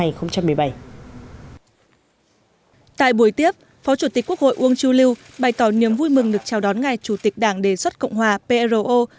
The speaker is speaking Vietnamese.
tại buổi tiếp phó chủ tịch quốc hội uông chu lưu bày tỏ niềm vui mừng được chào đón ngài chủ tịch đảng đề xuất cộng hòa pro